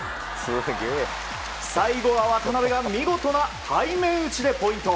最後は渡辺が見事な背面打ちでポイント。